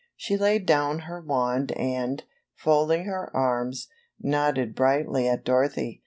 She laid down her wand and, folding her arms, nodded brightly at Dorothy.